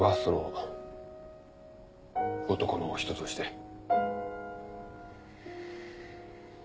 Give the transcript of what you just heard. その男の人として。